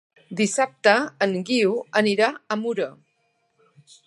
Dissabte en Guiu anirà a Muro.